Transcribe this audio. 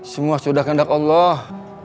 semua sudah kendak allah